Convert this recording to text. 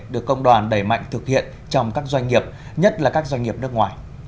được công đoàn đẩy mạnh thực hiện trong các doanh nghiệp nhất là các doanh nghiệp nước ngoài